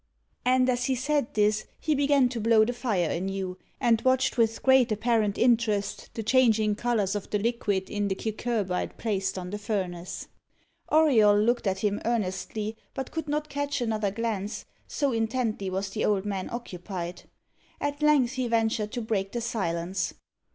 And, as he said this, he began to blow the fire anew, and watched with great apparent interest the changing colours of the liquid in the cucurbite placed on the furnace. Auriol looked at him earnestly, but could not catch another glance, so intently was the old man occupied. At length he ventured to break the silence.